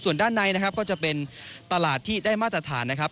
ส่วนด้านในนะครับก็จะเป็นตลาดที่ได้มาตรฐานนะครับ